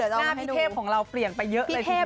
หน้าพี่เทพของเราเปลี่ยนไปเยอะเลยทีเดียว